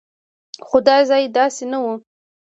خو دا ځای داسې نه و.